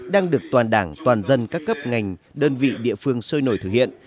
đang được toàn đảng toàn dân các cấp ngành đơn vị địa phương sôi nổi thực hiện